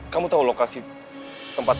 kamu tau lokasi tempat